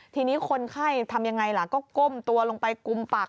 ทีนี้คนไข้ทำยังไงล่ะก็ก้มตัวลงไปกุมปาก